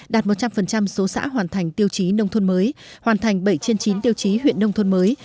đạt một trăm linh số xã hoàn thành tiêu chí nông thôn mới hoàn thành bảy trên chín tiêu chí huyện nông thôn mới